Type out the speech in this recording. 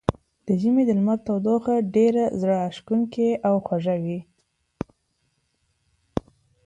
د ژمي د لمر تودوخه ډېره زړه راښکونکې او خوږه وي.